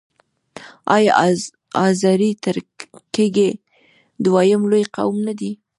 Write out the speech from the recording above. آیا آذری ترکګي دویم لوی قوم نه دی؟